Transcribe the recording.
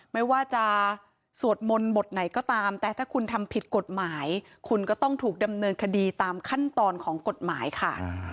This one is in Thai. ไม่ว่าจะสวดมนต์บทไหนก็ตามแต่ถ้าคุณทำผิดกฎหมายคุณก็ต้องถูกดำเนินคดีตามขั้นตอนของกฎหมายค่ะ